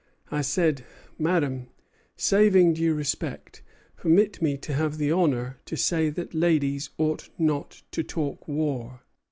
I said: 'Madame, saving due respect, permit me to have the honor to say that ladies ought not to talk war.'